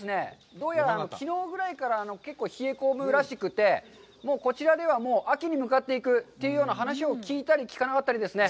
どうやら、きのうぐらいから結構冷え込むらしくて、もうこちらでは、秋に向かっていくというような話を聞いたり聞かなかったりですね。